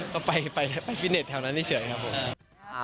ก็ไปฟิตเน็ตแถวนั้นเฉยครับผม